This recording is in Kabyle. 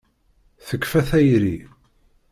Tekfa tayri.